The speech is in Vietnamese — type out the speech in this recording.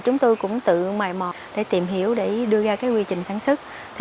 chúng tôi cũng tự mòi mò để tìm hiểu để đưa ra quy trình sản xuất